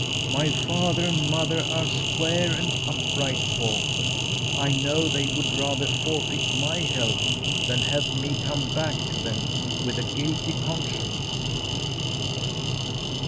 My father and mother are square and upright folk. I know they would rather forfeit my help than have me come back to them with a guilty conscience."